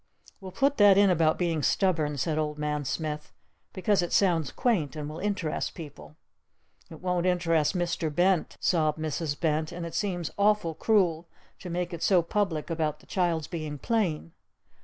"We'll put that in about being 'stubborn,'" said Old Man Smith, "because it sounds quaint and will interest people." "It won't interest Mr. Bent!" sobbed Mrs. Bent. "And it seems awful cruel to make it so public about the child's being plain!"